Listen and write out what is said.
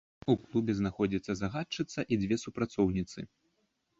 У клубе знаходзіцца загадчыца і дзве супрацоўніцы.